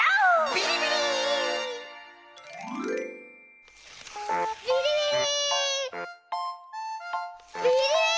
ビリビリビリビリ！